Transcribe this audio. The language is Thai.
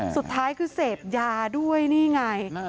สุดท้ายคือเสพยาด้วยนี่ไง